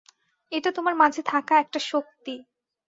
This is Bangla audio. এটা তোমার মাঝে থাকা একটা শক্তি।